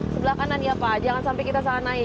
sebelah kanan ya pak jangan sampai kita salah naik